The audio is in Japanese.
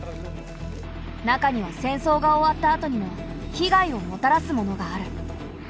中には戦争が終わったあとにも被害をもたらすものがある。